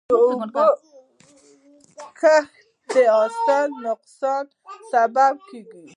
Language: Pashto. د اوبو کمښت د حاصل نقصان سبب کېږي.